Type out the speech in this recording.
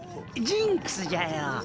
ジンクスじゃよ。